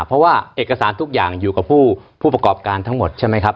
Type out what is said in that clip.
เพราะว่าเอกสารทุกอย่างอยู่กับผู้ประกอบการทั้งหมดใช่ไหมครับ